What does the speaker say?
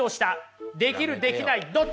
できるできないどっち？